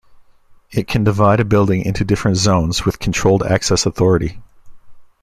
It can divide a building into different zones with controlled access authority.